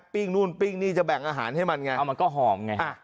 ปิ้งนู่นปิ้งนี่จะแบ่งอาหารให้มันไงเอามันก็หอมไง